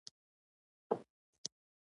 له وطن، مور او پلار سره مینه وکړئ.